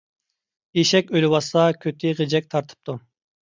ئېشەك ئۆلۈۋاتسا كۆتى غىجەك تارتىپتۇ.